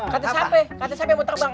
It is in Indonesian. kata siapa kata siapa yang mau terbang